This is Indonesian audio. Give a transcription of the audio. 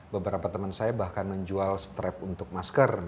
beberapa teman saya bahkan menjual strap untuk masker